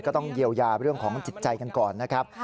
ก็ต้องเยียวยาเรื่องของจิตใจกันก่อนนะครับ